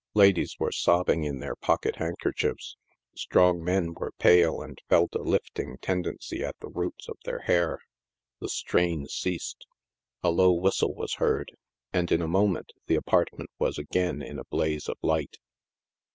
Ladies were sobbing in their pocket handkerchiefs. Strong men were pale and felt a lifting tendency at the roots of their hair. The strain ceased ; a low whistle was heard, and, in a moment, the apartment was again in a blaze of light.